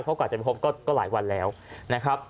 เพราะกว่าจะไปพบก็หลายวันแล้วนะครับ